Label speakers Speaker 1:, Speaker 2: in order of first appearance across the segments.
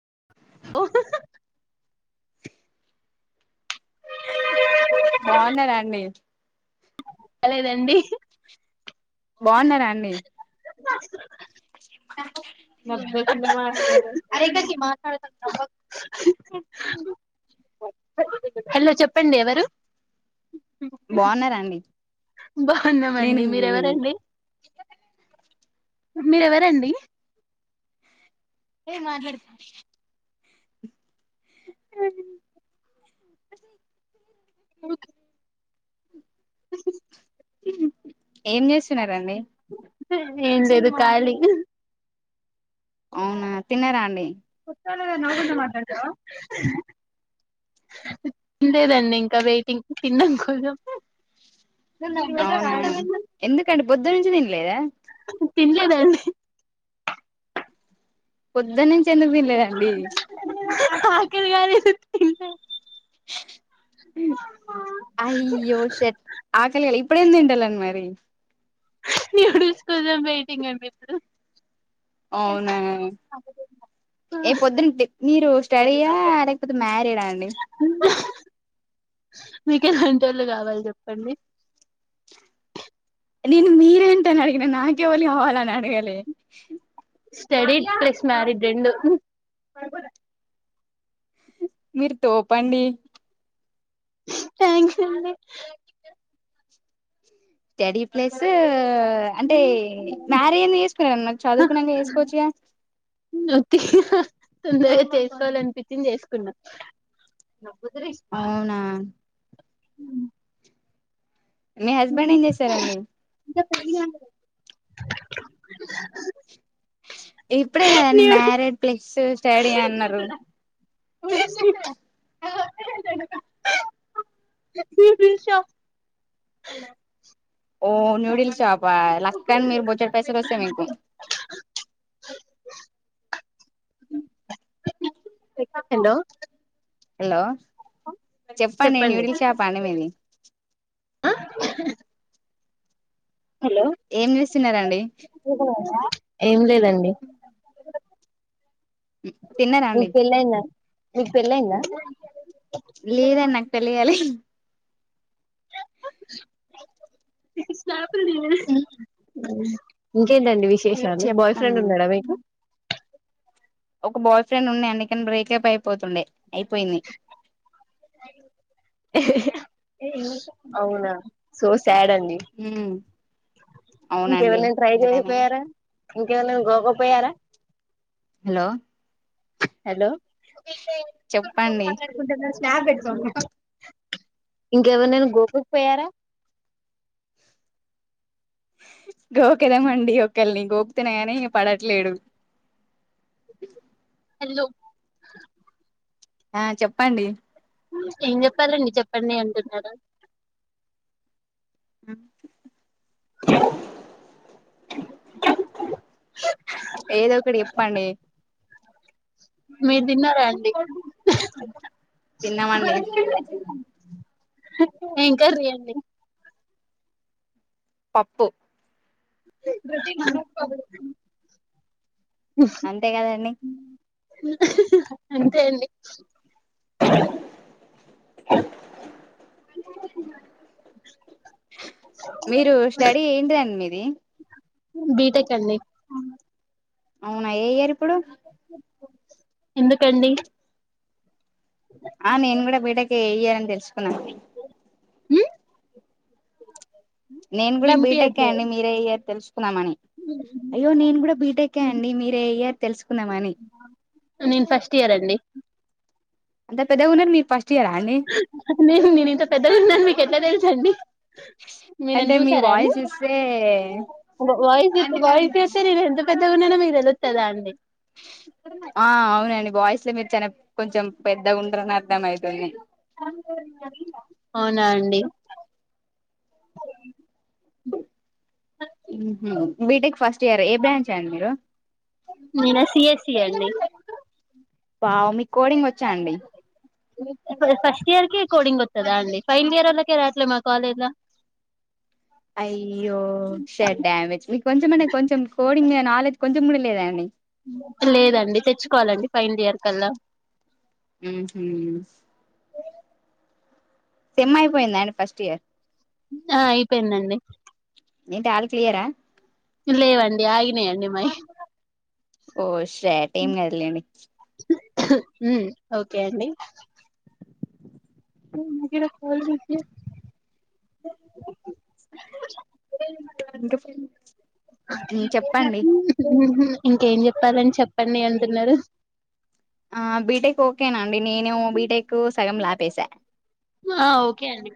Speaker 1: [unintelligible]
Speaker 2: బాగున్నారా అండి
Speaker 1: లేదండి
Speaker 2: బాగున్నారా అండి
Speaker 1: [unintelligible] అది అయితే నేను మాట్లాడుతా హలో చెప్పండి ఎవరు
Speaker 2: బాగున్నారండి నేను
Speaker 1: బాగున్నామండి మీరెవరండి మీరెవరండి ఏయ్ మాట్లాడు
Speaker 2: ఏం చేస్తున్నారండి
Speaker 1: ఏం లేదు ఖాళీ
Speaker 2: అవునా తిన్నారా అండి
Speaker 1: నువ్వు కూడా మాట్లాడతావా లేదండి ఇంకా వెయిటింగ్ తినడం కోసం
Speaker 2: అవునా ఎందుకండి పొద్దు నుంచి తినలేదా
Speaker 1: తిన్లేద అండి
Speaker 2: పొద్దున్నుంచి ఎందుకు తినలేదండి
Speaker 1: ఆకలి కాలేదు తిన్లే
Speaker 2: ఉ అయ్యో షట్ ఆకలి కాలే ఇప్పుడు ఏం తింటలేను మరి
Speaker 1: ఎడుస్కుదాం పెయటింగ్ మే ఇప్పుడు
Speaker 2: అవునా ఏ పొద్దు మీరు స్టడీయా లేకపోతే మ్యారీడా అండి
Speaker 1: మీకు ఎలాంటోళ్లు కావాలి చెప్పండి
Speaker 2: నేను మీరేంటని అడిగినా నాకేవళ కావాలి అని అడగాలి
Speaker 1: స్టడీ ప్లస్ మ్యారిడ్ రెండు
Speaker 2: మీరు తోపండి
Speaker 1: థ్యాంక్ యూ అండి
Speaker 2: స్టడీ ప్లస్ అంటే మ్యారేజ్ ఎందుకు చేసుకున్నాక నాకు చదువుకున్నాక చేసుకోవచ్చుగా
Speaker 1: [unintelligible] టిఫిన్ చేసుకున్నా
Speaker 2: అవునా మీ హస్బెండ్ ఏం చేస్తారండి
Speaker 1: ఇగ
Speaker 2: ఇప్పుడే కదండి మ్యారిడ్ ప్లస్ స్టడీ అని
Speaker 1: [inaudible] [unintelligible]
Speaker 2: ఓ న్యూడిల్ షాపా లెక్క అని మీరు బొజడి పైసలు వస్తాయి మీకు
Speaker 1: హలో
Speaker 2: హలో చెప్పండి న్యూడిల్ షాప్ అండీ మీది
Speaker 1: హలో
Speaker 2: ఏం చేస్తున్నారండి
Speaker 1: ఏం లేదండి
Speaker 2: తిన్నారా రండి
Speaker 1: నీకు పెళ్లైయిందా
Speaker 2: లేదండి నాకు పెళ్లి కాలే
Speaker 1: ఇంకేంటండి విషే విశేషాలు బాయ్
Speaker 2: చెప్పను
Speaker 1: ఫ్రెండ్ ఉన్నాడా మీకు
Speaker 2: ఒక బాయ్ ఫ్రెండ్ ఉండే అండి కని బ్రేకప్ అయిపోతుండే అయిపోయింది
Speaker 1: అవునా సో శాడ్ అండి
Speaker 2: ఉమ్
Speaker 1: ఇంకెవరి
Speaker 2: అవునండి
Speaker 1: ననా ట్రై చేయకపోయారా ఇంకెవరి ననా గోక కపోయారా
Speaker 2: హలో
Speaker 1: హలో
Speaker 2: చెప్పండి
Speaker 1: స్న్యాప్ పెట్టు ఇంకెవరినైను గోకకి పోయారా
Speaker 2: గోకెదమండి ఒకళ్లని గోకితేనె కాని పడట్లేడు
Speaker 1: హలో
Speaker 2: ఆ చెప్పండి
Speaker 1: ఏం చెప్పాలండి చెప్పండి అంటున్నారా
Speaker 2: ఏదో ఒకటి చెప్పండి
Speaker 1: మీరు తిన్నారా అండి
Speaker 2: తన్న మండి
Speaker 1: ఏంకర్రీ అండి
Speaker 2: పప్పు
Speaker 1: [unintelligible]
Speaker 2: అంతే కదా అండి
Speaker 1: హ హ హ హ అంతే అండి [inaudible]
Speaker 2: మీరు స్టడీ ఏంటి అండి మీది
Speaker 1: బీ-టెక్ అండి
Speaker 2: అవున ఏ ఇయర్ ఇప్పుడు
Speaker 1: ఎందుకండి
Speaker 2: ఆ నేను కూడా బీటెక్ ఏ ఏ ఇయర్ అని తెలుసుకున్నాను
Speaker 1: ఉ
Speaker 2: నేను కూడా బీటెక్ ఏ అండి మీరే ఇయర్ తెలుసు కుందామని అయ్యో నేను కూడా బీటెక్ ఏ అండి మీరే ఇయర్ తెలుసుకుందామని
Speaker 1: నేన్ ఫస్ట్ ఇయర్ అండి
Speaker 2: అంత పెద్దగా ఉన్నారు మీరు ఫస్ట్ ఇయరా అండి
Speaker 1: నేన్ నేనింత పెద్దగున్న అని మీకు ఎట్ల తెల్సండి
Speaker 2: అంటే మీ వాయిస్ ఇస్తే..
Speaker 1: వ వాయిస్ ఇస్తే వాయిస్ ఇస్తే నేను ఎంత పెద్దగున్ననో మీకు తెలుతద్దా అండి
Speaker 2: ఆ అవునండి బాయ్స్ లో మీరు చానా కొంచెం పెద్ద పెద్దగుంటరని అర్థమైతుంది
Speaker 1: అవున అండి
Speaker 2: మహ్ బీటెక్ ఫస్ట్ ఇయర్ ఏ బ్రాంచ్ అండి మీరు
Speaker 1: టి య్యండి
Speaker 2: వావ్ మీకు కోడింగ్ వచ్చా అండి
Speaker 1: ఫస్ట్ ఇయర్ కే కోడింగ్ వస్తదా అండి ఫైనల్ ఇయర్ ఒళ్ళకే రాట్లే మా కాలేజ్ ల
Speaker 2: [inaudible] అయ్యో షెట్ డ్యమేజ్ మీకు కొంచెం అంటే కొంచెం కోడింగ్ మీద నాలెడ్జ్ కొంచెం గూడా లేదా లెదండి
Speaker 1: లేదండి తెచ్చుకోవాలి అండి ఫైనల్ ఇయర్ కల్లా
Speaker 2: ఉ హూ సెమ్ అయిపోయింద అండి ఫస్ట్ ఇయర్
Speaker 1: ఆ అయిపోయిందండి
Speaker 2: ఏంటి ఆల్ క్లియర్ ఆ
Speaker 1: లేవండి ఆగినయండి మాయి
Speaker 2: ఓ షెట్ ఏం గాదు లెండి
Speaker 1: ఉమ్ ఓకే అండి మేర కాల్ దిజియే
Speaker 2: [inaudible] ఇంకా
Speaker 1: [unintelligible]
Speaker 2: ఉమ్, చెప్పండి
Speaker 1: ఇంకేం చెప్పాలని చెప్పండి అంటున్నరు
Speaker 2: ఆ బీటెక్ ఓకే నా అండి నేను బీటెక్ ఉ సగంల ఆపేసా
Speaker 1: ఆ ఓకే అండి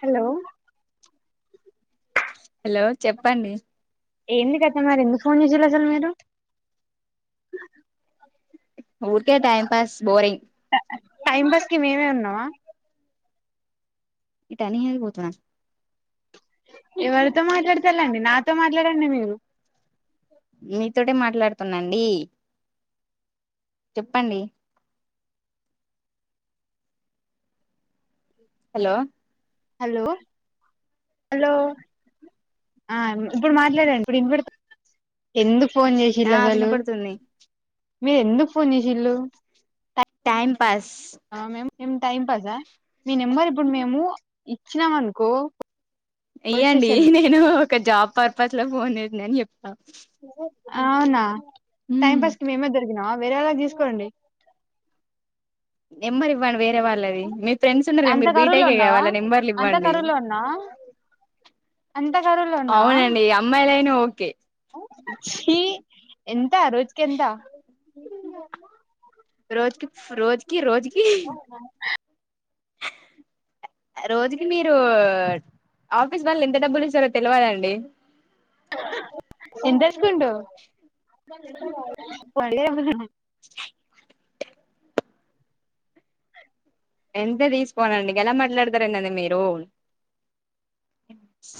Speaker 1: హలో
Speaker 2: హలో చెప్పండి.
Speaker 1: ఏంది కథ మరి ఎందుకు ఫోన్ చేసిల్లు అసలు మీరు
Speaker 2: ఊరికే time pass boring
Speaker 1: time pass కి మేమే ఉన్నమా
Speaker 2: ఇటని పోతున్నా
Speaker 1: ఎవరితో మాట్లాడతాల్లండి నాతో మాట్లాడండి మీరు
Speaker 2: మీతోటే మాట్లాడుతున్నాండీ చెప్పండి హలో!
Speaker 1: హలో! హలో ఆ ఇప్పుడు మాట్లాడండి ఇప్పుడు ఇన బడుతుందా ఎందుకు ఫోన్ చేసిలు
Speaker 2: ఆ
Speaker 1: అసలు
Speaker 2: వినపడుతుంది
Speaker 1: మీరు ఎందుకు ఫోన్ చేసిలు
Speaker 2: టైం పాస్
Speaker 1: మేం టైం పాసా మీ నెంబర్ ఇప్పుడు మేము ఇచ్చినాం అనుకో పోలీస్
Speaker 2: ఇయ్యండి
Speaker 1: స్టేషన్
Speaker 2: నేను ఒక జాబ్ పర్పస్ లో ఫోన్ చేసిన అని చెప్తా
Speaker 1: అవునా టైం
Speaker 2: ఉమ్
Speaker 1: పాస్కి మేమే దొరికినా వేరేలా తీసుకోండి
Speaker 2: నెంబర్ ఇవ్వండి వేరే వాళ్ళది మే ఫ్రెండ్స్ ఉన్నారు గా
Speaker 1: అంత
Speaker 2: మీరు
Speaker 1: కరువులో
Speaker 2: బీటెకే గా
Speaker 1: ఉన్నావా
Speaker 2: వాళ్ళ నెంబర్లు
Speaker 1: అంత
Speaker 2: ఇవ్వండి
Speaker 1: కరువులో ఉన్నావా అంత కరువులో ఉన్నావ
Speaker 2: అవునండి అమ్మాయిలైనా ఓకే
Speaker 1: ఛీ ఎం ఎంత రోజకి ఎంత
Speaker 2: రోజుకి రోజుకి రోజుకి [inaudible] రోజుకి మీరు ఆఫీస్ వాళ్ళు ఎంత డబ్బులు ఇస్తారో తెలవదండి
Speaker 1: ఎంతేసుకుండు అడగలె వాళ్ళని
Speaker 2: [inaudible] ఎంత తీసుకోనండి గాలా మాట్లాడతా రండి అది మీరు ఈచ్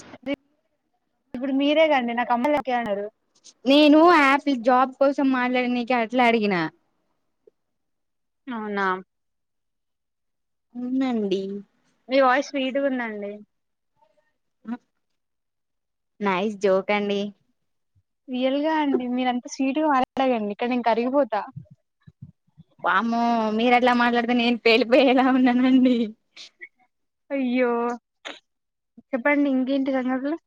Speaker 1: ఇప్పుడు మీరే కాండి నాకు అమ్మలకేన్నారు.
Speaker 2: నేను యాపిల్ జాబ్ కోసం మాట్లాడినికి అట్లా అడిగిన
Speaker 1: అవునా
Speaker 2: ఉందండీ
Speaker 1: మీ వాయిస్ స్వీట్గుందాండి
Speaker 2: నైస్ జోక్ అండి
Speaker 1: రియల్గా అండి మీరంత స్వీట్గా మాట్లాడగండి ఇక్కడ నేను కరిగిపోతా
Speaker 2: వామ్మో మీరు అట్లా మాట్లాడుతే నేను పేలిపోయేలా ఉన్నానండి
Speaker 1: అయ్యో చెప్పండి ఇంకేంటి సంగతులు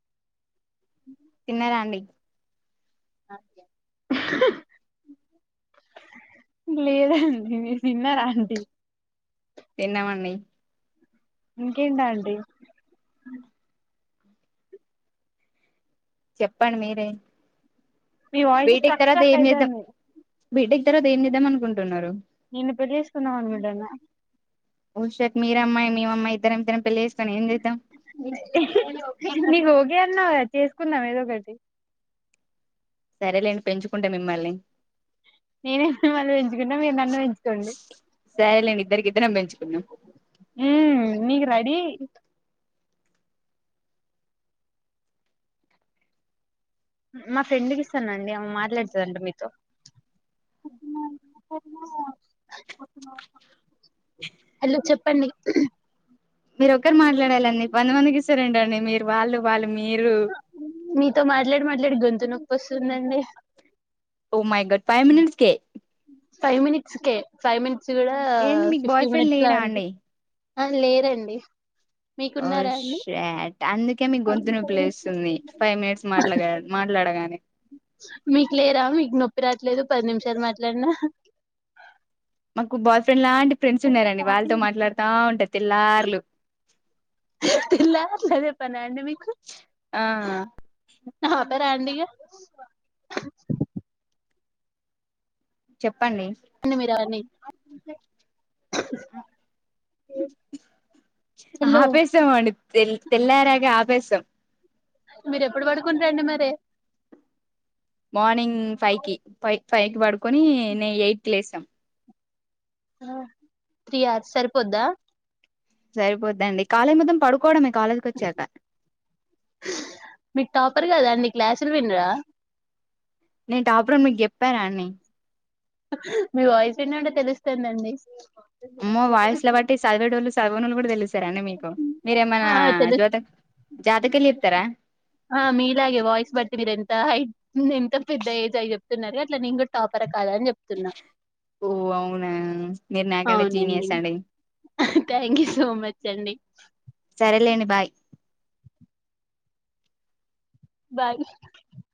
Speaker 2: తిన్నారాండి
Speaker 1: లేదండి మీరు తినరా అండి
Speaker 2: తిన్నమండి
Speaker 1: ఇంకేంటండి
Speaker 2: చెప్పండి మీరే
Speaker 1: మీ వాయిస్
Speaker 2: బిటెక్
Speaker 1: స్ట్రక్
Speaker 2: తర్వాత
Speaker 1: స్ట్రక్
Speaker 2: ఏం చేద్దాం
Speaker 1: అయితాంది
Speaker 2: బీటెక్ తర్వాత ఏం దేద్దాం అనుకుంటున్నారు
Speaker 1: నిన్ను పెళ్ళి చేసుకుందం అనుకుంటన్న
Speaker 2: ఉషట్ మీరే అమ్మాయి మేము అమ్మాయి ఇద్దర ఇద్దరం పెళ్లి చేసుకొని ఏం చేద్దాం
Speaker 1: నీకు ఒకే అన్నావు కథ చేసుకుందాం ఏదో ఒకటి
Speaker 2: సరేలేండి పెంచుకుంట మిమ్మల్ని
Speaker 1: నేనే మిమల్ని పెంచుకుంట మీరు నన్ను పెంచుకోండి
Speaker 2: సరేలేండి ఇద్దరికి ఇద్దరం పెంచుకున్నాం
Speaker 1: ఉమ్ నీకు రడి మా ఫ్రెండ్కి ఇస్తానండి మాట్లాడతది అంట మీతో హాలో చెప్పండి
Speaker 2: మీరు ఒక్కరు మాట్లాడాలండి వంద మందికి ఇస్తారుండండి మీరు వాళ్ళు వాళ్ళు మీరు
Speaker 1: మీతో మాట్లాడి మాట్లాడి గొంతు నొప్పి వస్తుందండి
Speaker 2: oh my god five minutes కే
Speaker 1: ఫైవ్ మినిట్స్ కే ఫైవ్ మినిట్స్ కూడా
Speaker 2: ఏంది మీకు
Speaker 1: ఫిఫ్టీ
Speaker 2: బాయ్ ఫ్రెండ్
Speaker 1: మినిట్స్ లా
Speaker 2: లేడా అండి
Speaker 1: అనిపిస్త ఆ లేరండి
Speaker 2: ఓ
Speaker 1: మీకున్నారా అండి
Speaker 2: షట్ అందుకే మీకు గొంతు నోపిలేస్తుంది ఫైవ్ మినిట్స్ మాట్లా మాట్లాడ గానే
Speaker 1: మీకు లేరా మీకు నొప్పి రాట్లేదు పది నిమిషాలు మాట్లాడినా
Speaker 2: మాకు బాయ్ ఫ్రెండ్ లాంటి ఫ్రెండ్స్ ఉన్నారండి వాళ్ళతో మాట్లాడుతా ఉంటా తెలార్లు
Speaker 1: లేదేదంటె అదే పనా అండి మీ
Speaker 2: ఆ
Speaker 1: ఆపరా అండి ఇగ
Speaker 2: చెప్పండి
Speaker 1: అన్న మీరావన్నీ హలో
Speaker 2: ఆపేశాం అండి తెల్ తెల్లారాగా ఆపేశాం
Speaker 1: మీరు ఎప్పుడు పడుకున్న రండి మరే
Speaker 2: మార్నింగ్ ఫైవ్ కి ఫైవ్ ఫైవ్ కి పడుకొని నే ఎయిట్ కి లేస్తం
Speaker 1: త్రీ అవర్స్ సరిపోద్దా
Speaker 2: సరిపోద్దండి కాలేజీ లా మొత్తం పడుకోవడంమే
Speaker 1: మీకు టాపర్ కదాండి క్లాసులు వినరా
Speaker 2: నేను టాపర్ మీకు చెప్పాన అని
Speaker 1: మీ వాయిస్ ఏంటంటే తెలుస్తుందండి
Speaker 2: చదవునులు కూడా తెలుస్తరా అండి మీకు మీరేమన్నా
Speaker 1: ఆ
Speaker 2: జోత
Speaker 1: తెలుస్
Speaker 2: జాతకలు చెప్తారా
Speaker 1: ఆ మీలాగే వాయిస్ బట్టి మీరెంత హై ఎంత పెద్ద ఏజ్ అయి జేప్ చెప్తున్నారు అట్లా నేను గూడా టాపర్ కాదా అని చెప్తున్నా
Speaker 2: ఓ అవునా మీరు నాకంటే
Speaker 1: అవునండి
Speaker 2: జీనియస్ అండి
Speaker 1: థ్యాంక్యూ సో మచ్ అండి.
Speaker 2: సరేలేండి బాయ్
Speaker 1: బాయ్